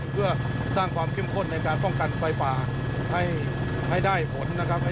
เพื่อสร้างความเข้มข้นในการป้องกันไฟป่าให้ได้ผลนะครับ